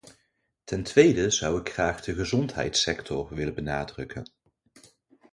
Ten tweede zou ik graag de gezondheidssector willen benadrukken.